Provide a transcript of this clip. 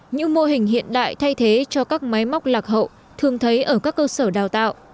những mô hình hiện đại thay thế cho các máy móc lạc hậu thường thấy ở các cơ sở đào tạo